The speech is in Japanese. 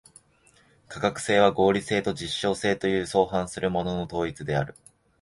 科学性は合理性と実証性という相反するものの統一である。